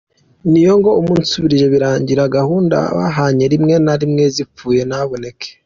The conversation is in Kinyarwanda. Niyo ngo amusubije birangira gahunda bahanye rimwe na rimwe zipfuye ntaboneke.